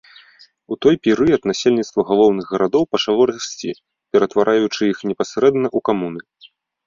У той перыяд насельніцтва галоўных гарадоў пачало расці, ператвараючы іх непасрэдна ў камуны.